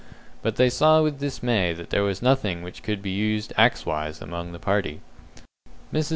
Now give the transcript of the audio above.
But they saw with dismay that there was nothing which could be used axe wise among the party. Mrs.